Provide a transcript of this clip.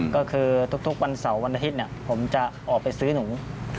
ก็คือทุกวันเสาร์วันอาทิตย์ผมจะออกไปซื้อหนู